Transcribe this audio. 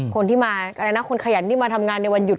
คนที่มาอะไรนะคนขยันที่มาทำงานในวันหยุด